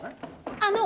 あの！